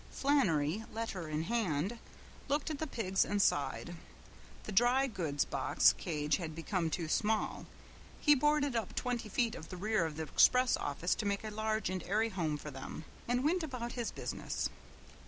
Flannery, letter in hand, looked at the pigs and sighed. The dry goods box cage had become too small. He boarded up twenty feet of the rear of the express office to make a large and airy home for them, and went about his business.